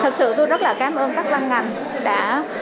thật sự tôi rất là cảm ơn các ban ngành đã